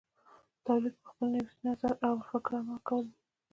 تولید په خپل نوي نظر او فکر عمل کول دي.